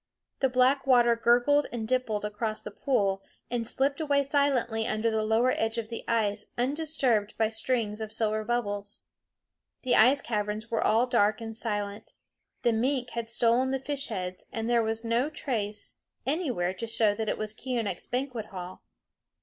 The black water gurgled and dimpled across the pool, and slipped away silently under the lower edge of ice undisturbed by strings of silver bubbles. The ice caverns were all dark and silent. The mink had stolen the fish heads, and there was no trace anywhere to show that it was Keeonekh's banquet hall.